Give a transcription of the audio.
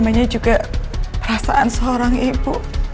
namanya juga perasaan seorang ibu